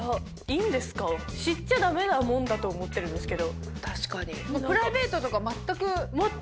知っちゃ駄目なもんだと思ってるんですけど。